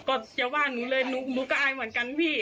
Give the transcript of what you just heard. ก็อย่าว่าหนูเลยหนูก็อายเหมือนกันพี่